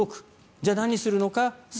じゃあ、何をするのか。